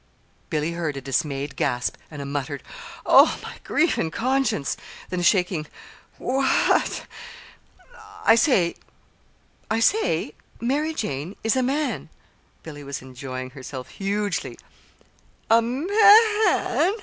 Billy heard a dismayed gasp and a muttered "Oh, my grief and conscience!" then a shaking "Wha at?" "I say, Mary Jane is a man." Billy was enjoying herself hugely. "A _ma an!